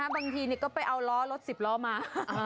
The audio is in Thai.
บางทีก็ไปเอาล้อรถ๑๐ล้อมา